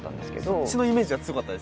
そっちのイメージが強かったです。